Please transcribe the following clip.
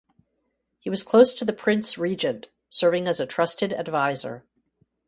He was close to the Prince Regent, serving as a trusted adviser.